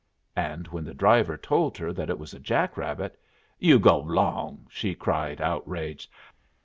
And when the driver told her that it was a jack rabbit, "You go 'long!" she cried, outraged.